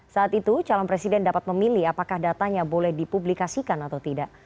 saat itu calon presiden dapat memilih apakah datanya boleh dipublikasikan atau tidak